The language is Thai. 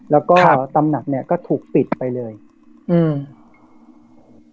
แล้วก็ตำหนักเนี้ยก็ถูกปิดไปเลยอืม